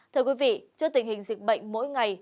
thưa quý vị trước tình hình dịch bệnh mỗi ngày